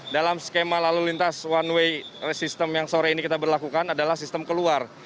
dalam skema lalu lintas one way system yang sore ini kita berlakukan adalah sistem keluar